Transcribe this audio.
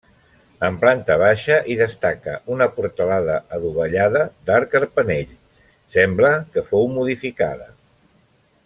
En planta baixa hi destaca una portalada adovellada d'arc carpanell, sembla que fou modificada.